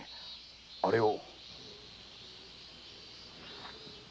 あれを。